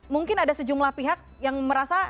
mungkin ada sejumlah pihak yang merasa